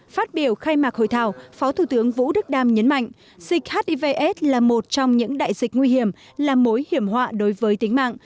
phát biểu khai mạc hội thảo phó thủ tướng vũ đức đam nhấn mạnh dịch hivs là một trong những đại dịch nguy hiểm là mối hiểm họa đối với tính mạng